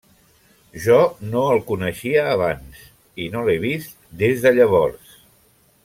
Jo no el coneixia abans i no l'he vist des de llavors.